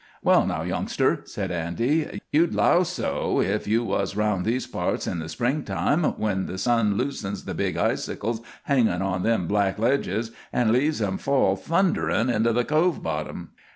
"Well, now, youngster," said Andy, "you'd 'low so if you was round these parts in the springtime, when the sun loosens the big icicles hangin' on them black ledges, an' leaves 'em fall thunderin' into the Cove bottom."